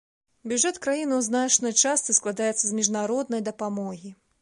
Бюджэт краіны ў значнай частцы складаецца з міжнароднай дапамогі.